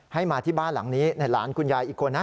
ให้มาที่บ้านหลังนี้ในหลานคุณยายอีกคนนะ